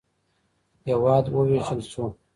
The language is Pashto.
هېواد ووېشل شو.